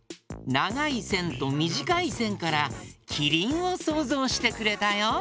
ながいせんとみじかいせんからキリンをそうぞうしてくれたよ。